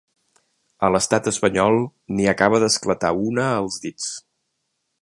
A l’estat espanyol n’hi acaba d’esclatar una als dits.